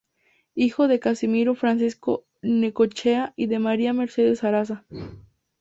Hijo de Casimiro Francisco Necochea y de María Mercedes Zaraza.